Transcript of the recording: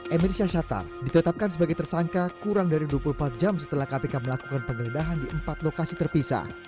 emir syah syata ditetapkan sebagai tersangka kurang dari dua puluh empat jam setelah kpk melakukan penggeledahan di empat lokasi terpisah